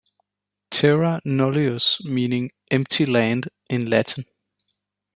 "Terra nullius" meaning 'empty land' in Latin.